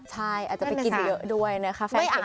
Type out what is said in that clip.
ใช่อาจจะไปกินเยอะด้วยนะครับแฟนที่